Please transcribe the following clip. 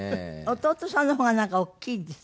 弟さんの方がなんか大きいですよね。